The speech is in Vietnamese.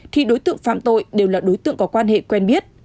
thì đối tượng phạm tội đều là đối tượng có quan hệ quen biết